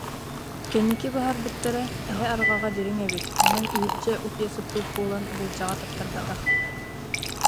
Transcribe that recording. Кэнники быһаарбыттара: эһэ арҕаҕа дириҥ эбит, онон иһирдьэ утуйа сыппыт буолан буулдьаҕа таптарбатах